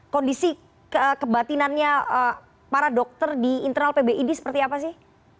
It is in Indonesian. kondisi kebatinannya para dokter di internal pbid seperti apa sih